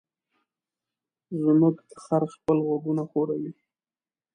زموږ خر خپل غوږونه ښوروي.